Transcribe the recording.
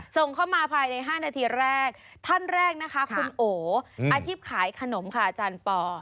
ส่งเข้ามาภายใน๕นาทีแรกท่านแรกนะคะคุณโออาชีพขายขนมค่ะอาจารย์ปอ